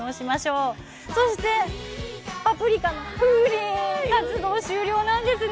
そして「パプリカ」のＦｏｏｒｉｎ活動終了なんですね。